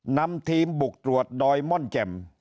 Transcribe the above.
นำทีมบุกตรวจดอยม่อนแจ่ม